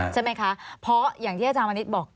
ใช่ไหมคะเพราะอย่างที่อาจารย์มณิษฐ์บอก